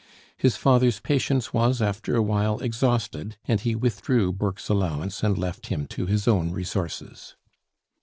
His father's patience was after a while exhausted, and he withdrew Burke's allowance and left him to his own resources.